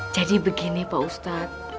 jadi begini pak ustadz